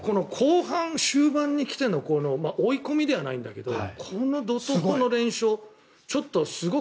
後半、終盤に来ての追い込みではないんだけどこの怒とうの連勝ちょっとすごい。